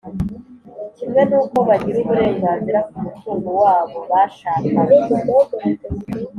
kimwe n’uko bagira uburenganzira ku mutungo wabo bashakanye